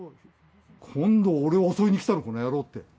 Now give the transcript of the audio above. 今度は俺を襲いに来たんだよ、この野郎って。